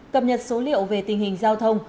cập nhật số liệu về tình hình giao thông